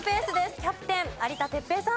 キャプテン有田哲平さん。